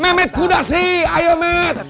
mehmet kuda sih ayo mehmet